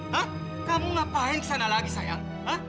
hah kamu ngapain kesana lagi sayang